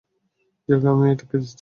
Jack আমি আটকে আছি।